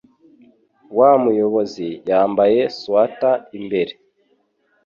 Wa muyobizi yambaye swater imbere.